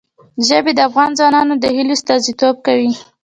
ژبې د افغان ځوانانو د هیلو استازیتوب کوي.